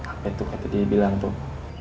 apa itu dia bilang tuh